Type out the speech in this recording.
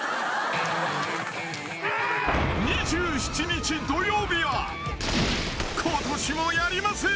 ２７日、土曜日は今年もやります！